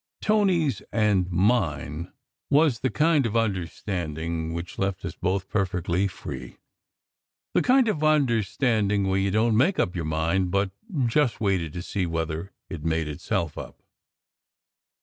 Tony s and mine was the kind of understanding which left us both perfectly free; the kind of understanding where you 160 SECRET HISTORY didn t make up your mind, but just waited to see whether it made itself up.